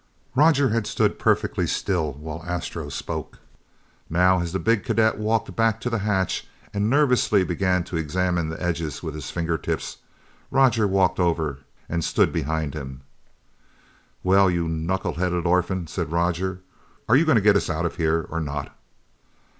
Roger had stood perfectly still while Astro spoke. Now, as the big cadet walked back to the hatch and nervously began to examine the edges with his finger tips, Roger walked over and stood behind him. "Well, you knuckle headed orphan," said Roger, "are you going to get us out of here, or not?"